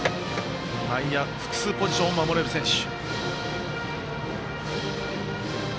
内野、複数ポジションを守れる選手。